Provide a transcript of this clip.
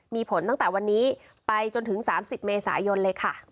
มีผลตั้งแต่วันนี้ไปจนถึง๓๐เมษายนเลยค่ะ